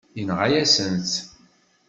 Yenɣa-yasen-tt.